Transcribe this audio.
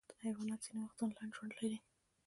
حیوانات ځینې وختونه لنډ ژوند لري.